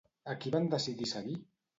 A qui van decidir seguir?